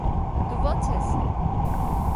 - Դո՞ւ ոնց ես: